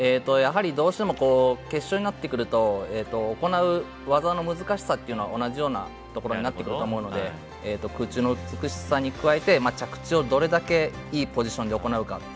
やはり、どうしても決勝になってくると行う技の難しさというのは同じようなところになってくると思うので空中の美しさに加えて着地をどれだけいいポジションで行うか